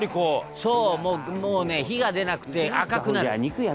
「そうもうね火が出なくて赤くなる」